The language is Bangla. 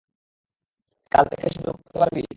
কাল থেকে শুরু করতে পারবি?